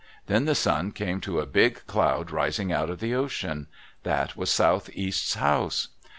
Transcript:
Then the son came to a big cloud rising out of the ocean. That was Southeast's house.